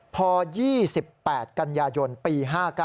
พอ๒๘กันยายนปี๕๙